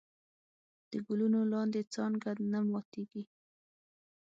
د ګلونو لاندې څانګه نه ماتېږي.